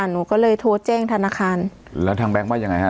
หนูก็เลยโทรแจ้งธนาคารแล้วทางแบงค์ว่ายังไงฮะ